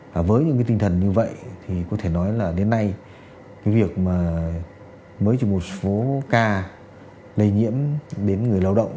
và với những cái tinh thần như vậy thì có thể nói là đến nay cái việc mà mới chỉ một số ca lây nhiễm đến người lao động